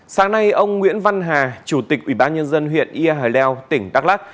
sáng nay ông nguyễn văn hà chủ tịch ủy ban nhân dân huyện ia hải leo tỉnh đắk lắc